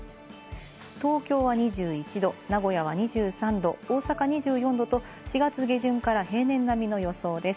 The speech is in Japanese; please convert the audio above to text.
東京は２１度、名古屋は２３度、大阪・２４度と、４月下旬から平年並みの予想です。